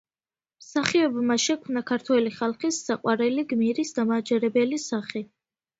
მსახიობმა შექმნა ქართველი ხალხის საყვარელი გმირის დამაჯერებელი სახე.